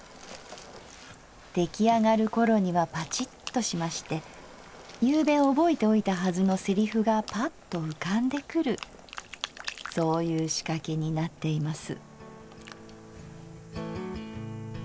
できあがるころにはパチッとしまして昨夕覚えておいたはずのセリフがぱっと浮かんでくるそういうしかけになっています」。